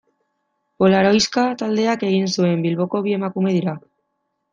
Polaroiska taldeak egin zuen, Bilboko bi emakume dira.